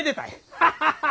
ハハハハ。